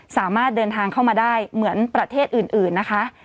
สามารถเดินทางเข้ามาได้เหมือนประเทศอื่นนะคะ